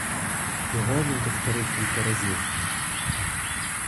Його він повторив кілька разів.